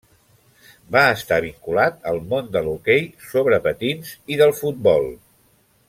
Va estar vinculat al món de l'hoquei sobre patins i del futbol.